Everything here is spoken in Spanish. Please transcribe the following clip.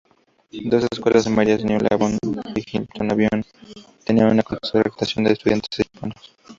Dos escuelas primarias, New Lebanon y Hamilton Avenue, tenían una concentración de estudiantes hispanos.